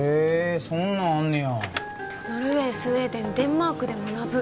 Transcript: そんなんあんねやノルウェースウェーデンデンマークで学ぶ